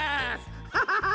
ハハハハ！